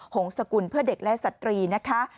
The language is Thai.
หงษกุลเพื่อเด็กและสตรีนะคะ